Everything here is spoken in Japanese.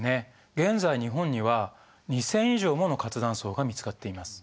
現在日本には２，０００以上もの活断層が見つかっています。